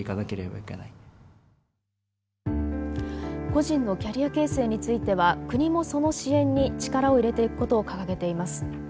個人のキャリア形成については国もその支援に力を入れていくことを掲げています。